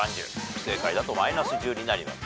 不正解だとマイナス１０になります。